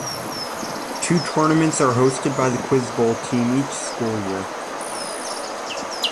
Two tournaments are hosted by the Quiz Bowl Team each school year.